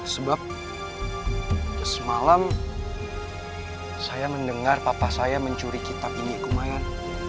sebab semalam saya mendengar papa saya mencuri kitab ini lumayan